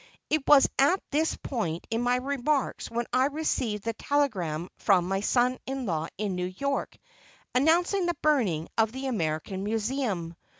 It was at this point in my remarks when I received the telegram from my son in law in New York, announcing the burning of the American Museum.